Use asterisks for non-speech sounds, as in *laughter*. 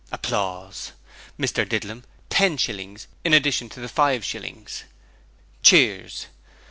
*applause* Mr Didlum, ten shillings in addition to the five shillings. (Cheers.)